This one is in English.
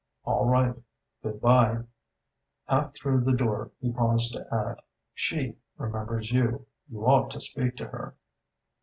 "All right Good bye." Half through the door he paused to add: "She remembers you. You ought to speak to her."